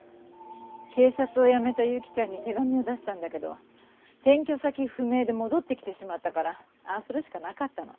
警察を辞めた由紀ちゃんに手紙を出したんだけど転居先不明で戻ってきてしまったからああするしかなかったの。